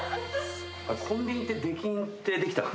コンビニって出禁ってできたっけ？